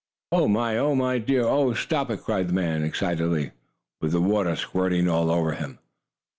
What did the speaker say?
"Oh, my! Oh, dear! Oh, stop it!" cried the man excitedly, with the water squirting all over him.